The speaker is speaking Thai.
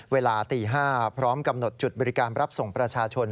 เวลาตี๕พร้อมกำหนดจุดบริการรับส่งประชาชน